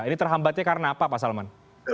ini terhambatnya karena apa pak salman